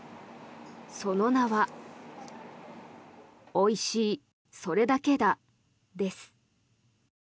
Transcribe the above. その名は「おいしい、それだけだ」です。